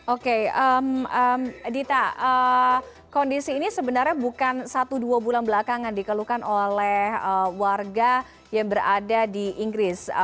oke dita kondisi ini sebenarnya bukan satu dua bulan belakangan dikeluhkan oleh warga yang berada di inggris